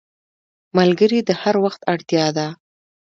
ملګری د هر وخت اړتیا ده